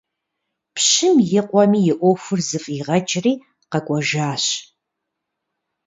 Пщым и къуэми и Ӏуэхур зыфӀигъэкӀри къэкӀуэжащ.